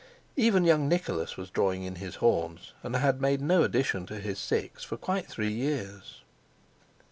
Even young Nicholas was drawing in his horns, and had made no addition to his six for quite three years.